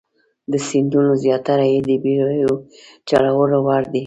د سیندونو زیاتره یې د بیړیو چلولو وړ دي.